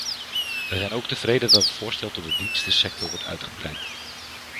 Wij zijn ook tevreden dat het voorstel tot de dienstensector wordt uitgebreid.